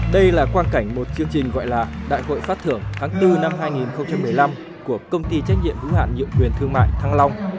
đây là quan cảnh một chương trình gọi là đại hội phát thưởng tháng bốn năm hai nghìn một mươi năm của công ty trách nhiệm hữu hạn nhiệm quyền thương mại thăng long